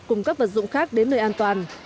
cùng các vật dụng khác đến nơi an toàn